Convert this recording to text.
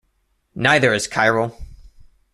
Neither is chiral.